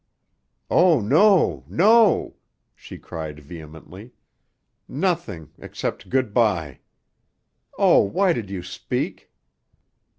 "Oh, no! No!" she cried vehemently. "Nothing—except good by. Oh, why did you speak?"